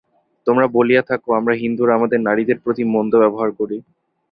তোমরা বলিয়া থাক যে, আমরা হিন্দুরা আমাদের নারীদের প্রতি মন্দ ব্যবহার করি।